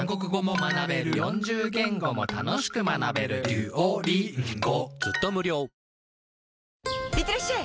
「ビオレ」いってらっしゃい！